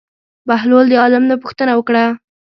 بهلول د عالم نه پوښتنه کوي.